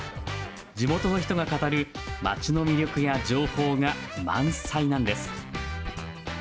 地元の人が語る街の魅力や情報が満載なんです。